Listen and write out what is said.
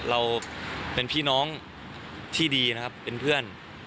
เราเป็นพี่น้องที่ดีนะครับเป็นเพื่อน